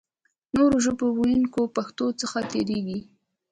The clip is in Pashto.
نورو ژبو ویونکي پښتو څخه تېرېږي.